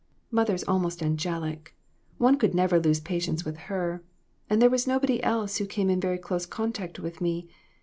Mother is almost angelic. One could never lose patience with her, and there was nobody else who came in very close contact with me.